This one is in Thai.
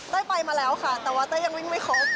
ไปมาแล้วค่ะแต่ว่าเต้ยยังวิ่งไม่ครบ